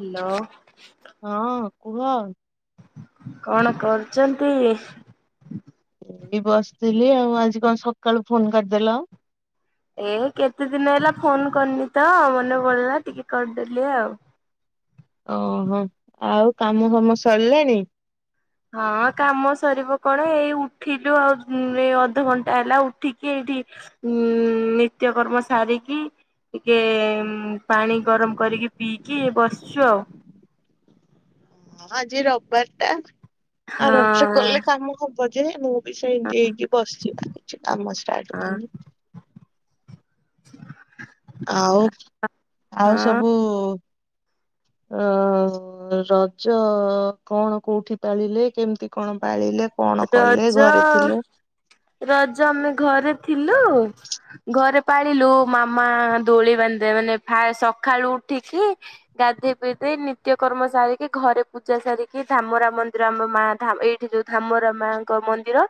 Hello. ହଁ, କୁହ। କଣ କରୁଚନ୍ତି? ଏ ବସିଥିଲି ଆଉ ଆଜି କଣ ସକାଳୁ ଫୋନ କରିଦେଲ। ଏ କେତେ ଦିନ ହେଲା ଫୋନ କରିନି ତ ମନେ ପଇଲା ଟିକେ କରିଦେଲି ଆଉ ଓହୋ। ଆଉ କାମ ଫାମ ସରିଲାଣି? ହଁ କାମ ସରିବ କଣ ଏଇ ଉଠିଲୁ ଆଉ ଏ ଅଧଘଣ୍ଟା ହେଲା ଉଠିକି ଏଇଠି ଉଁ ନିତ୍ୟକର୍ମ ସାରିକି ଟିକେ ପାଣି ଗରମ କରିକି ପିଇକି ବସିଛୁ ଆଉ। ଆଜି ରବିବାର ଟା ଆରାମ ସେ କଲେ ହଁ କାମ ହବ ଯେ ମୁ ବି ସେମତି ହେଇକି ବସଚି କିଛି କାମ ଷ୍ଟାର୍ଟ ହଁ କରିନି ଆଉ ଆଉ ହଁ ସବୁ ଅ ରଜ କଣ କୋଉଠି ପାଳିଲେ କେମିତି କଣ ପାଳିଲେ? କଣ କଲେ ରଜ ଘରେ ଥିଲେ? ରଜ ଆମେ ଘରେ ଥିଲୁ ଘରେ ପାଳିଲୁ ମାମା ଦୋଳି ବାନ୍ଧଦେବେ ମାନେ ଫା ସକାଳୁ ଉଠିକି ଗାଧୋଇ ପିଧେଇ ନିତ୍ୟକର୍ମ ସାରିକି ଘରେ ପୂଜା ସାରିକି ଧାମରା ମନ୍ଦିର ଆମ ମା ଧା ଏଇଠି ଯୋଉ ଧାମରା ମାଙ୍କ ମନ୍ଦିର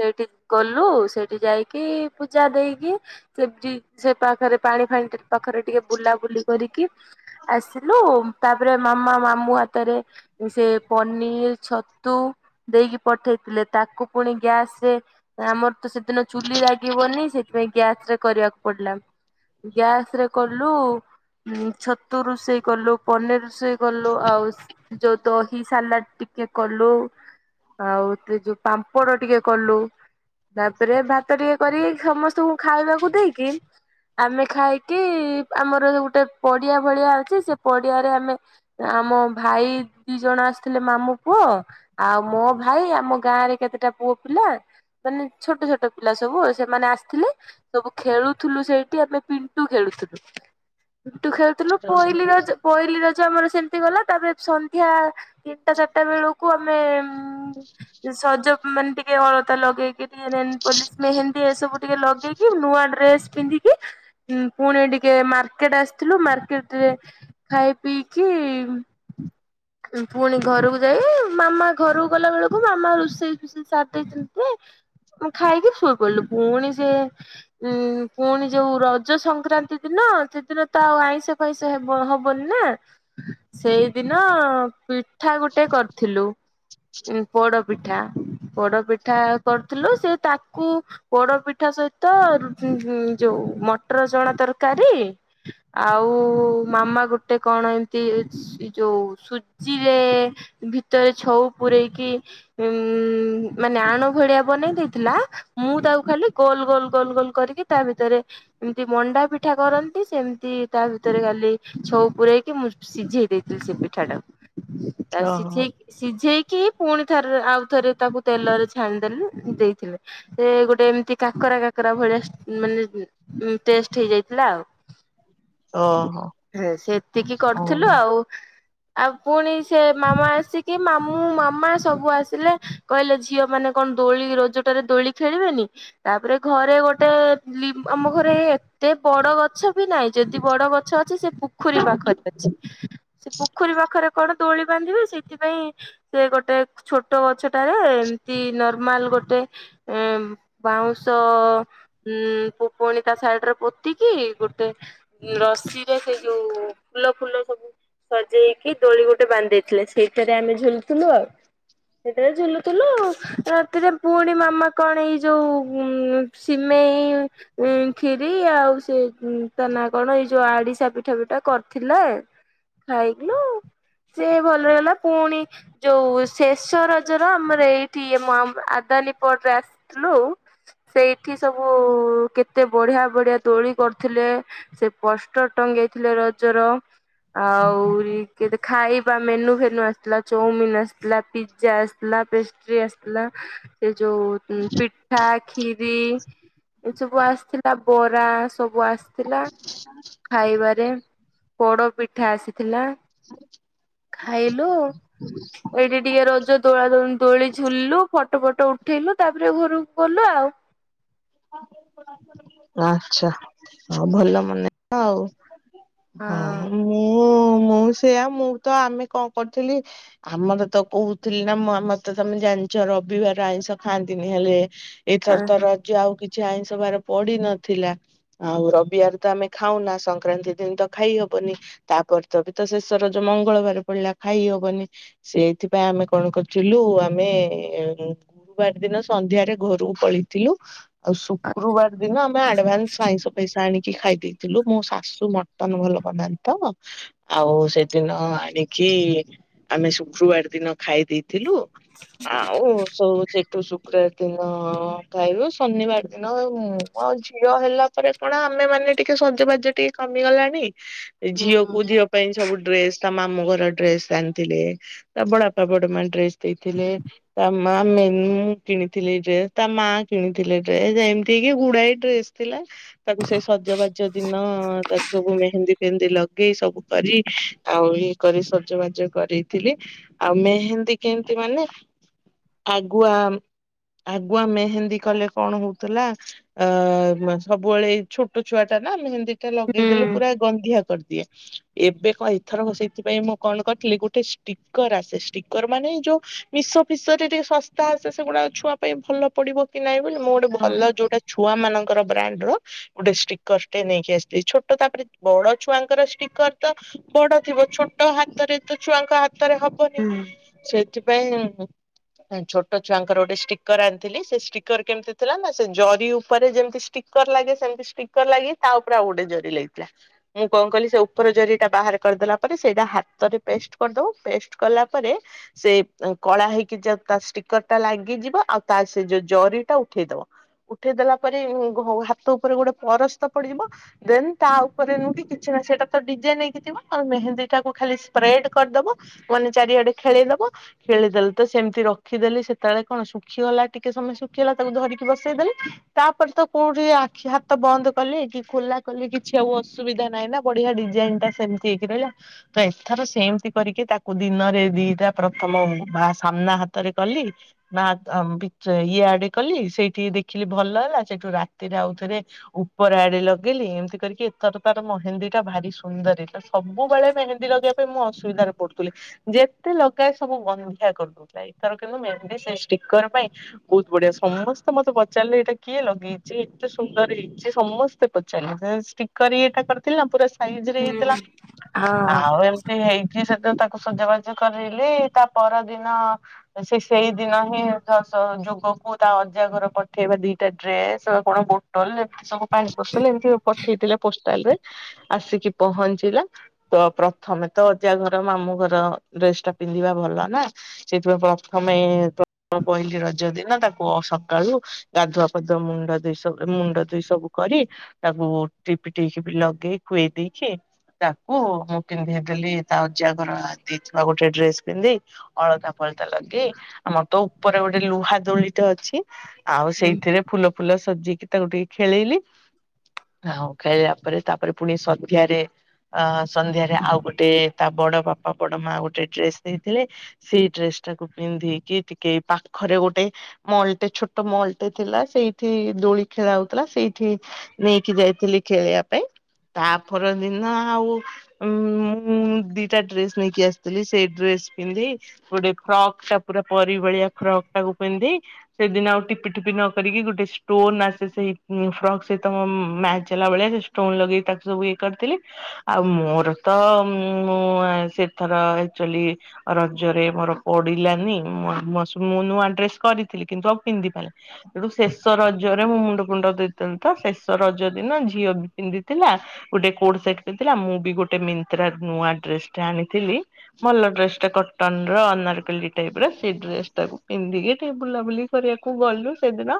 ସେଇଠି ଗଲୁ ସେଇଠି ଯାଇକି ପୂଜା ଦେଇକି [unintelligible] ସେ ପାଖରେ ପାଣି ଫାଣି ପାଖରେ ଟିକେ ବୁଲାବୁଲି କରିକି ଆସିଲୁ ତାପରେ ମାମା ମାମୁ ହାତରେ ସେ ପନିର ଛତୁ ଦେଇକି ପଠେଇଥିଲେ ତାକୁ ପୁଣି ଗ୍ୟାସ ରେ ଆମର ତ ସେଦିନ ଚୁଲି ଲାଗିବନି ସେଥିପାଇଁ ଗ୍ୟାସ ରେ କରିବାକୁ ପଡିଲା। ଗ୍ୟାସ ରେ କଲୁ। ହୁଁ ଛତୁ ରୋଷେଇ କଲୁ ପନର ରୋଷେଇ କଲୁ ଆଉ ଯୋଉ ତହି ସାଲାଡ ଟିକେ କଲୁ। ଆଉ ତ ଯୋଉ ପାମ୍ପଡ ଟିକେ କଲୁ। ତାପରେ ଭାତ ଟିକେ କରି ସମସ୍ତଙ୍କୁ ଖାଇବାକୁ ଦେଇକି। ଆମେ ଖାଇକି ଆମର ଗୋଟେ ପଡିଆ ଭଳିଆ ଅଛି ସେ ପଡିଆରେ ଆମେ ଆମ ଭାଇ ଦି ଜଣ ଆସିଥିଲେ ମାମୁ ପୁଅ। ଆଉ ମୋ ଭାଇ ଆମ ଗାଁ ରେ କେତେଟା ପୁଅ ପିଲା। ମାନେ ଛୋଟ ଛୋଟ ପିଲା ସବୁ ସେମାନେ ଆସିଥିଲେ। ସବୁ ଖେଳୁଥିଲୁ ସେଇଠି ଆମେ ପିଣ୍ଟୁ ଖେଳୁଥିଲୁ ପିଣ୍ଟୁ ଖେଳୁ। [inaudible] ପହଲି ରଜ। ପହିଲିି ରଜ ଆମର ସେମିତି ଗଲା ତାପରେ ସନ୍ଧ୍ୟା ତିନିଟା ଚାରିଟା ବେଳକୁ ଆମେ ସଜ ମାନେ ଟିକେ ଅଳତା ଲଗେଇକି ଟିକେ ନେଲ ପଲିସ ମେହେନ୍ଦୀ ଏ ସବୁ ଟିକେ ଲଗେଇକି। ନୂଆ ଡ୍ରେସ ପିନ୍ଧିକି ପୁଣି ଟିକେ ମାର୍କେଟ ଆସିଥିଲୁ ମାର୍କେଟରେ। ଖାଇ ପିଇକି ପୁଣି ଘରକୁ ଯାଇ ମାମା। ଘରକୁ ଗଲା ବେଳକୁ ମାମା ରୋଷେଇ ଫୋଷେଇ ସାର ଦେଇଛନ୍ତି। ମୁଁ ଖାଇକି ସୋଇ ପାଇଲି ପୁଣି ସେ ଉଁ ପୁଣି ଯୋଉ ରଜ ସଂକ୍ରାନ୍ତି ଦିନ ସେଦିନ ତ ଆଉ ଆଇଁଷ ପଇସ ହେବ ହବନି ନା ସେଇ ସେଦିନ ପିଠା ଗୋଟେ କରିଥିଲୁ। ଉଁ ପୋଡପିଠା ପୋଡପିଠା କରଥିଲୁ ସେ ତାକୁ ପୋଡ ପିଠା ସହିତ ଯୋଉ ମଟର ଚଣା ତରକାରୀ। ଆଉ ମାମା ଗୋଟେ କଣ ଏମତି ଯୋଉ ସୁ ସିଏ ଭିତରେ ଛଉ ପୂରେଇକି ଉଁ ମାନେ ଆଣ ଭଳିଆ ବନେଇ ଦେଇଥିଲା। ମୁଁ ତାକୁ ଖାଲି ଗୋଲ ଗୋଲ ଗୋଲ ଗୋଲ କରିକି ତା ଭିତରେ। ଯେମିତି ମଣ୍ଡା ପିଠା କରନ୍ତି ସେମିତି ତା ଭିତରେ କାଲି ଛଉ ପୂରେଇକି ମୁ ସିଝେଇ ଦେଇଥିଲି ସେ ପିଠା ଟାକୁ ତା ଓହୋ ସିଝେଇ ସିଝେଇକି କି ପୁଣି ଥରେ ଆଉ ଥରେ ତାକୁ ତେଲରେ ଛାଣିଦେଲେ ଦେଇଥିଲେ। ସେ ଗୋଟେ ଏମିତି କାକରା କାକରା ଭଳିଆ ମାନେ ଟେଷ୍ଟ ହେଇଯାଇଥିଲା ଆଉ। ଓହୋ ସେତିକି କରିଥିଲୁ ଓହୋ ଆଉ। ଆଉ ପୁଣି ସେ ମାମା ଆସିକି ମାମୁ। ମାମା ସବୁ ଆସିଲେ କହିଲେ ଝିଅ ମାନେ କଣ ଦୋଳି ରୋଜଟାରେ ଦୋଳି ଖେଳିବେନି। ତାପରେ ଘରେ ଗୋଟେ ଲି ଆମ ଘରେ ଏତେ ବଡ ଗଛ ବି ନାହିଁ ଯଦି ବଡ ଗଛ ଅଛି ସେ ପୋଖରୀ ପାଖରେ ଅଛି। ସେ ପୋଖରୀ ପାଖରେ କଣ ଦୋଳି ବାନ୍ଧିବେ ସେଇଥିପାଇଁ। ସେ ଗୋଟେ ଛୋଟ ଗଛଟାରେ ଏମତି ନର୍ମାଲ ଗୋଟେ ଏଁ ବାଉଁଶ ହୁଁ ପ ପୁଣି ତା ସାଇଡରେ ପୋତି କି ଗୋଟେ ରସିରେ ସେଇ ଯୋଉ ଫୁଲ ଫୁଲ ସବୁ ସଜେଇକି ଦୋଳି ଗୋଟେ ବାନ୍ଧ ଦେଇଥିଲେ ସେଇଠାରେ ଆମେ ଝୁଲୁଥିଲୁ ଆଉ। ସେତେବେଳେ ଝୁଲୁଥିଲୁ ରାତିରେ ପୁଣି ମାମା କଣ ଏଇ ଯୋଉ ଉଁ ସିମେଇ ଉଁ କ୍ଷିରି ଆଉ ସେ ତା ନା କଣ ଏଇ ଯୋଉ ଆଡିଶା ପିଠା ପିଠା କରିଥିଲା। ଖାଇକଲୁ ସିଏ ଭଲରେଗଲା ପୁଣି ଯୋଉ ଶେଷ ରଜ ର ଆମର ଏଇଠି ଆଦାନୀପଡରେ ଆସିଥିଲୁ। ସେଇଠି ସବୁ କେତେ ବଢିଆ ବଢିଆ ଦୋଳି କରିଥିଲେ। ସେ ପୋଷ୍ଟ ଟଙ୍ଗେଇଥିଲେ ରଜର। ଆହୁରି କେତେ ଖାଇବା ମେନୁ ଫେନୁ ଆସିଥିଲା ଚଉ ମିିନ ଆସିଥିଲା ପିଜ୍ଜା ଆସିଥିଲା ପେଷ୍ଟ୍ରି ଆସିଥିଲା। ସେ ଯୋଉ ପିଠା ଖିରି ଏ ସବୁ ଆସିଥିଲା ବରା। ସବୁ ଆସିଥିଲା ଖାଇବାରେ ପୋଡ଼ ପିଠା ଆସିଥିଲା। [unintelligible] ଖାଇଲୁ ଏଇଠି ଟିକେ ରଜ ଦୋଳା ଦୋଲ୍ ଦୋଳି ଝୁଲିଲୁ ଫଟୋ ଫଟ ଉଠେଇଲୁ ତାପରେ ଘରକୁ ଗଲୁ ଆଉ ଆଚଛା ହ ଭଲ ମନେ ଆଉ ହଁ। ମୁଁ ମୁଁ ସେଆ ମୁଁ ତ ଆମେ କଣ କରିଥିଲି। ଆମର ତ କହୁଥିଲି ନା ମୁଁ ଆମର ତ ତମେ ଜାଣିଛ ରବିବାର ଆଇଁଷ ଖାଆନ୍ତିନି ହେଲେ ଏଥର ତ ହଁ ରଜ ଆଉ କିଛି ଆଇଁଷ ବାର ପଡି ନଥିଲା। ଆଉ ରବିବାର ତ ଆମେ ଖାଉନା ସଂକ୍ରାନ୍ତି ଦିନ ତ ଖାଇ ହବନି। ତାପରେ ତ ବି ତ ଶେଷ ରଜ ମଙ୍ଗଳବାର ପଡିଲା ଖାଇ ହବନି। ସେଇଥିପାଇଁ ଆମେ କଣ କରିଥିଲୁ ଆମେ ଗୁରୁବାର ଦିନ ସନ୍ଧ୍ୟାରେ ଘରକୁ ପଳେଇଥିଲୁ। ଆଉ ଶୁକ୍ରବାର ଦିନ ଆମେ ଆଡଭାନ୍ସ ଆଇଁଷ ପଇସା ଆଣିକି ଖାଇଦେଇ ଥିଲୁ ମୋ ଶାଶୁ ମଟନ ଭଲ ପାଉନାହାନ୍ତି ତ। ଆଉ ସେଦିନ ଆଣିକି ଆମେ ଶୁକ୍ରବାର ଦିନ ଖାଇ ଦେଇ ଥିଲୁ ଆଉ ସବୁ ସେ ଠୁ ଶୁକ୍ରବାର ଦିନ ଖାଇବୁ ଶନିବାର ଦିନ ମୋ ଝିଅ ହେଲା ପରେ କଣ ଆମେ ମାନେ ଟିକେ ସଜବାଜ ଟିକେ କମିଗଲାଣି। ଝିଅକୁ ଝିଅ ପାଇଁ ସବୁ ଡ୍ରେସ ତା ମାମୁ ଘର ଡ୍ରେସ ଆଣିଥିଲେ। ତା ବଡାପା ବଡମାଆ ଡ୍ରେସ ଦେଇଥିଲେ। ତା ମା ମେନୁ କିଣିଥିଲେ ଡ୍ରେସ୍ ତା ମା କିଣିଥିଲେ ଡ୍ରେସ୍ ଏମିତି କି ଗୁଡାଏ ଡ୍ରେସ ଥିଲା। ତାକୁ ସେଇ ସଜବାଜ ଦିନ ତାକୁ ସବୁ ମେହେନ୍ଦି ଫେହେନ୍ଦି ଲଗେଇ ସବୁ କରି ଆଉ ଇଏ କରି ସଜବାଜ କରିଥିଲି ଆଉ ମେହେନ୍ଦୀ କେମିତି ମାନେ ଆଗୁଆ ଆଗୁଆ ମେହେନ୍ଦୀ କଲେ କଣ ହଉଥିଲା ଅ ସବୁବେଳେ ଏଇ ଛୋଟ ଛୁଆଟା ନା ମେହେନ୍ଦୀ ତାର ହଁ ଲଗେଇଦେଲେ ହଁ ପୁରା ଗନ୍ଧିଆ କରିଦିଏ ଏବେ କ ଏଥର ସେଇଥିପାଇଁ ମ କଲ୍ କରିଥିଲି ଗୋଟେ ଷ୍ଟିକର ଆସେ ଷ୍ଟିକର ମାନେ ଯୋଉ ମିଶ ଫିସରେ ଟିକେ ଶସ୍ତା ଆସେ ସେଗୁଡା ଛୁଆ ପାଇଁ ଭଲ ପଡିବ କି ନାଇଁ ବୋଲି ମୁଁ ଗୋଟେ ଭଲ ଯୋଉଟା ଛୁଆ ମାନଙ୍କର ବ୍ରାଣ୍ଡର ଗୋଟେ ଷ୍ଟିକର ଟେ ନେଇକି ଆସିଥିଲି ଛୋଟ ତାପରେ ବଡ ଛୁଆଙ୍କର ଷ୍ଟିକର ତ ବଡ ଥିବ ଛୋଟ ହାତରେ ତ ଛୁଆଙ୍କ ହାତରେ ହବନି ସେଥିପାଇଁ ଛୋଟ ଛୁଆଙ୍କର ଗୋଟେ ଷ୍ଟିକର ଆଣିଥିଲି ସେ ଷ୍ଟିକର କେମିତି ଥିଲା ନା ସେ ଜରି ଉପରେ ଯେମିତି ଷ୍ଟିକର ଲାଗେ ସେମିତି ଷ୍ଟିକର ଲାଗି ତା ଉପରେ ଆଉ ଗୋଟେ ଜରି ଲାଇଥିଲା। ମୁଁ କଣ କଲିି ସେ ଉପର ଜରିଟା ବାହାର କରିଦେଲା ପରେ ସେଇଟା ହାତରେ ପେଷ୍ଟ କରିଦବ ପେଷ୍ଟ କଲା ପରେ ସେ କଳା ହେଇକି ଯ ତା ଷ୍ଟିକର ଟା ଲାଗିଯିବ ଆଉ ତା ସେ ଯୋଉ ଜରି ଟା ଉଠେଇଦବ। ଉଠେଇଦଲା ପରେ ହାତ ଉପରେ ଗୋଟେ ପରସ୍ତ ପଡିଯିବ। ଦେନ୍ ତା ଉପରେ ନୁ କି କିଛି ନା ସେଇଟା ତ ଡିଜାଇନ ହେଇକି ଥିବ ଆ ମେହେନ୍ଦୀ ଟାକୁ ଖାଲି ସ୍ପ୍ରେଡ କରିଦବ। ମାନେ ଚାରିଆଡେ ଖେଳେଇଦବ। ଖେଳିଦେଲି ତ ସେମିତି ରଖିଦେଲି ସେତେବେଳେ କଣ ଶୁଖିଗଲା ଟିକେ ସମୟ ଶୁଖିଗଲା ତାକୁ ଧରିକି ବସେଇଦେଲି। ତାପରେ ତ କୋଉଠି ଆଖି ହାତ ବନ୍ଦ କଲି କି ଖୋଲା କଲି କି ଛିଉ ଅସୁବିଧା ନାହିଁ ନା ବଢିଆ ଡିଜାଇନ ଟା ସେମତି ହେଇକି ରହିଲା। ତ ଏଥର ସେମିତି କରିକି ତାକୁ ଦିନରେ ଦିଟା ପ୍ରଥମ ବା ସାମ୍ନା ହାତରେ କଲି। ମା [unintelligible] ଏଆଡେ କଲି ସେଇଠି ଦେଖିଲି ଭଲ ହେଲା ସେଇଠୁ ରାତିରେ ଆଉଥରେ ଉପର ଆଡେ ଲଗେଇଲି ଏମିତି କରିକି ଏଥର ତାର ମହେନ୍ଦୀ ଟା ଭାରି ସୁନ୍ଦର ହେଇଥିଲା। ସବୁବେଳେ ମେହେନ୍ଦୀ ଲଗେଇବା ପାଇଁ ମୁଁ ଅସୁବିଧାରେ ପଡୁଥିଲି। ଯେତେ ଲଗାଏ ସବୁ ଗନ୍ଧିଆ କରିଦଉଥିଲା ଏଥର କିନ୍ତୁ ମେହେନ୍ଦୀ ସେ ଷ୍ଟିକର ପାଇଁ ବହୁତ ବଢିଆ ସମସ୍ତେ ମତେ [unintelligible] ପଚାରିଲେ ଏଇଟା କିଏ ଲଗେଇଛି ଏତେ ସୁନ୍ଦର ହେଇଛି ସମସ୍ତେ ପଚାରିଲେ ସେ ଷ୍ଟିକର ଇଏ ଟା କର ଥିଲି ନା ପୁରା ସାଇଜରେ ହେଇଥିଲା ହଁ ଆଉ ଏମତି ତି ହେଇକି ସେଦିନ ତାକୁ ସଜାବାଜ କରେଇଲି ତା ପରଦିନ ସେ ସେଇଦିନ ହିଁ ତା ତ ଯୋଗକୁ ତା ଅଜା ଘର ପ ପଠେଇବେ ଦିଟା ଡ୍ରେସ ଆଉ କଣ ବୋଟଲ ଏମତି ସବୁ ପାଣି ବୋଟଲ ଏମିତି ପଠେଇଥିଲେ ପୋଷ୍ଟାଲରେ। ଆସିକି ପହଞ୍ଚିଲା। ତ ପ୍ରଥମେ ତ ଅଜାଘର ମାମୁଁଘର ଡ୍ରେସଟା ପିନ୍ଧିବା ଭଲ ନା। ସେଥିପାଇଁ ପ୍ରଥମେ ପହିଲି ରଜ ଦିନ ତାକୁ ସକାଳୁ ଗାଧୁଆ ପାଧୁଆ ମୁଣ୍ଡ ଦେଇ ସବୁ ମୁଣ୍ଡ ଧୋଇ ସବୁ କରି ତାକୁ ଟିପି ଟିପିକି ଲଗେଇ ଖୁଏଇ ଦେଇକି ତାକୁ ମୁଁ ପିନ୍ଧେଇ ଦେଲି ତା ଅଜାଘର ଦେଇଥିବା ଗୋଟେ ଡ୍ରେସ ପିନ୍ଧେଇ ଅଳତା ଫଳତା ଲଗେଇ ଆମର ତୋ ଉପରେ ଗୋଟେ ଲୁହା ଦୋଳିଟେ ଅଛି। ଆଉ ସେଇଥିରେ ଫୁଲ ଫୁଲ ସଜେଇକି ତାକୁ ଟିକେ ଖେଳେଇଲି। ଆଉ ଖେଳିଲା ପରେ ତାପରେ ପୁଣି ସନ୍ଧ୍ୟାରେ ଅ ସନ୍ଧ୍ୟାରେ ଆଉ ଗୋଟେ ତା ବଡ ବାପା ବଡ ମା ଗୋଟେ ଡ୍ରେସ ଦେଇଥିଲେ। ସେଇ ଡ୍ରେସ ଟାକୁ ପିନ୍ଧେଇକି ଟିକେ ପାଖରେ ଗୋଟେ ମଲଟେ ଛୋଟ ମଲଟେ ଥିଲା ସେଇଠି ଦୋଳି ଖେଳା ହଉଥିଲା ସେଇଠି ନେଇକି ଯାଇଥିଲି ଖେଳିବା ପାଇଁ ତାପ ଦିନ ଆଉ ଉ ମୁଁ ଦିଟା ଡ୍ରେସ ନେଇକି ଆସିଥିଲି ସେଇ ଡ୍ରେସ ପିନ୍ଧେଇ ଗୋଟେ ଫ୍ରକ୍ ଟା ପୁରା ପରି ଭଳିଆ ଫ୍ରକ୍ ଟାକୁ ପିନ୍ଧେଇ ସେଦିନ ଟିପି ଟିପି ନ କରିକି ଗୋଟେ ଷ୍ଟୋନ ଆସେ ସେଇ ଫ୍ରକ୍ ସହିତ ମ୍ୟାଚ ହେଲାଭଳିଆ ସେ ଷ୍ଟୋ ଷ୍ଟୋନ୍ ଲଗେଇ ତାକୁ ସବୁ ଇଏ କରିଦେଲି। ଆଉ ମୋର ତ ମୁଁ ସେଥର ଆକଚୁଆଲି ରଜରେ ମୋର ପଡିଲାନି ମୁ ଆଉ ମୁଁ ନୂଆ ଡ୍ରେସ୍ କରିଥିଲି କିନ୍ତୁ ଆଉ ପିନ୍ଧି ପାରିଲିନି। ସେଠୁ ଶେଷ ରଜରେ ମୁଁ ମୁଣ୍ଡ ଫୁଣ୍ଡ ଧୋଇଥିଲି ତ ଶେଷ ରଜ ଦିନ ଝିଅ ବି ପିନ୍ଧିଥିଲା। ଗୋଟେ କୋଡ ସେଟ ପିନ୍ଧଥିଲା ମୁଁ ବି ଗୋଟେ ମେନ୍ତ୍ରାରୁ ନୂଆ ଡ୍ରେସଟେ ଆଣିଥିଲି। ଭଲ ଡ୍ରେସଟେ କଟନର ଅନାରକଲି ଟାଇପର ସେ ଡ୍ରେସ୍ ଟାକୁ ପିନ୍ଧିକି ଟିକେ ବୁଲାବୁଲି କରିବାକୁ ଗଲୁ ସେଦିନ।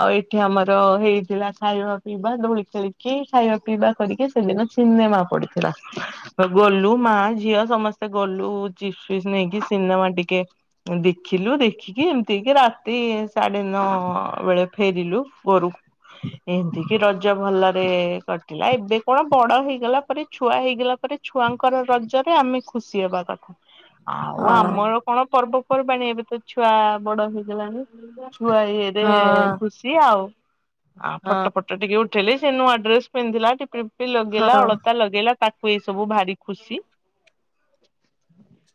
ଆଉ ଏଇଠି ଆମର ହେଇଥିଲା ଖାଇବା ପିଇବା ଦୋଳି ଖେଳିକି ଖାଇବା ପିଇବା କରିକି ସେଦିନ ଚିିନେମା ପଡିଥିଲା। ଗଲୁ ମା ଝିଅ ସମସ୍ତେ ଗଲୁ ଚିସ୍ ଫିସ୍ ନେଇକି ସିନେମା ଟିକେ ଦେଖିଲୁ ଦେଖିକି ଏମିତି କି ରାତି ସାଢେ ନଅ ବେଳେ ଫେରିଲୁ ଘରକୁ। ଏମିତି କିି ରଜ ଭଲରେ କଟିଲା ଏବେ କଣ ବଡ ହେଇଗଲା ପରେ ଛୁଆ ହେଇଗଲା ପରେ ଛୁଆଙ୍କର ରଜରେ ଆମେ ଖୁସି ହବା କଥା। ଆଉ ଆମର କଣ ପର୍ବପର୍ବାଣି ଏବେ ତ ଛୁଆ ବଡ ହେଇଗଲାଣି ଛୁଆ ଏ ଏବେ ଖୁସି ଆଉ ଫଟ ଫଟ ଫଟ ଟିକେ ଉଠେଇଲି ସେ ନୂଆ ଡ୍ରେସ ପିନ୍ଧିଲା ଟିିପି ଟିପି ଟିକେ ଲଗେଇଲା ଅଳତା ଲଗେଇଲା। ତାକୁ ଏ ସବୁ ଭାରି ଖୁସି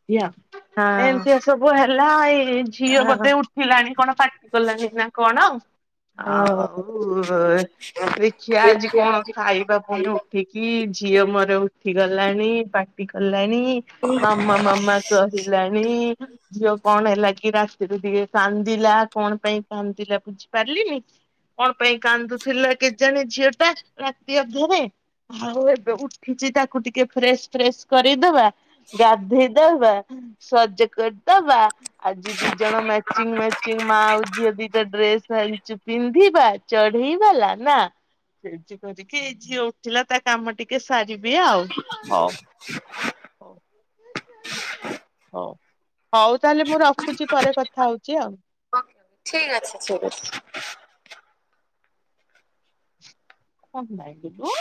ଧ୍ୟା ଏମିତିଆ ସବୁ ହେଲା ଏଇ ଝିଅ ହଁ। ବୋଧେ ଉଠ ଉଠିଲାଣି କଣ ପାଟି କଲାଣି ନା କଣ ଆଉ। ଆଉ ଦେଖିବା ଠିକ ଆଜି କଣ ଅଛି ଖାଇବା ପୁଣି ଉଠ ଉଠିକି ଝିଅ ମୋର ଉଠି ଗଲାଣି ପାଟି କଲାଣି ମାମା ମାମା କହିଲାଣି ଝିଅ କଣ ହେଲା କି ରାତିରୁ ଟିକେ କାନ୍ଦିଲା କଣ ପାଇଁ କାନ୍ଦିଲା ବୁଝିପାରିଲିନି। କଣ ପାଇଁ କାନ୍ଦୁଥିଲା କେଜାଣି ଝିଅଟା ରାତି ଅଧରେ। ଆଉ ଏବେ ଉଠିଛି ତାକୁ ଟିକେ ଫ୍ରେଶ ଫ୍ରେଶ କରେଇଦବା। ଗାଧେଇ ଦବା ସଜ କରିଦବା ଆଜି ଦିଜଣ ମା ମ୍ୟାଚିଂ ମା ଆଉ ଝିଅ ଦିଟା ଡ୍ରେସ ଆଣିଛୁ ପିନ୍ଧିବା ଚଢେଇବାଲା ନା। ହ କରିକି ଏ ଝିଅ ଉଠିଲା ତା କାମ ଟିକେ ସାରିବି ଆଉ ହଉ। ହଉ [inaudible] ହଉ ହଉ ତାହେଲେ ମୁଁ ରଖୁଛି ପରେ କଥା ହଉଛି ଆଉ। ଓକେ ଓକେ ଠିକ୍ ଅଛି ଠିକ ଅଛି। କଣ ନାଇଁ ଲୁ